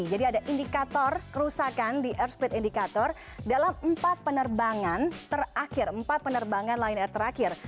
ada indikator kerusakan di airspeed indicator dalam empat penerbangan terakhir empat penerbangan lion air terakhir